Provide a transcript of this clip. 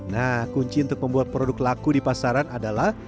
nah kunci untuk membuat produk laku di pasaran adalah